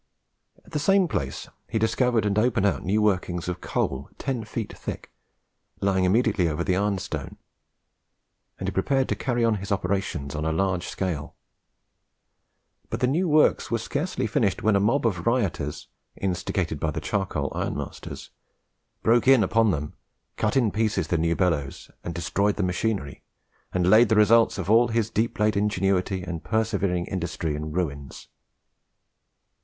At the same place he discovered and opened out new workings of coal ten feet thick, lying immediately over the ironstone, and he prepared to carry on his operations on a large scale; but the new works were scarcely finished when a mob of rioters, instigated by the charcoal ironmasters, broke in upon them, cut in pieces the new bellows, destroyed the machinery, and laid the results of all his deep laid ingenuity and persevering industry in ruins.